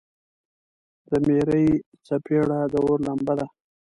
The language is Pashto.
د میرې څپیړه د اور لمبه ده.